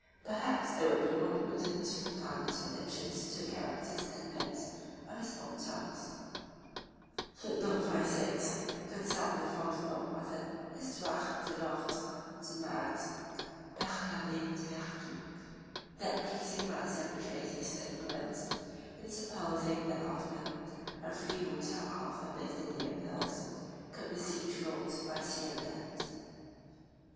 Perhaps it would be more prudent to confine his predictions to the characters and events of his own times.] 46 (return) [ Consult the ivth book of the Histoire de l'Ordre de Malthe, par l'Abbé de Vertot. That pleasing writer betrays his ignorance, in supposing that Othman, a freebooter of the Bithynian hills, could besiege Rhodes by sea and land.